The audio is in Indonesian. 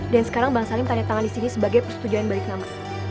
dan sekarang bang salim tanya tangan disini sebagai persetujuan balik nama